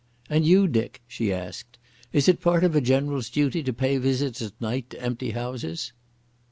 "And you, Dick," she asked; "is it part of a general's duties to pay visits at night to empty houses?"